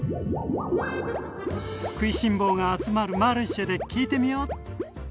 食いしん坊が集まるマルシェで聞いてみよっ。